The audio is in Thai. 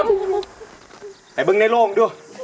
มาเป็นในโลกด้วย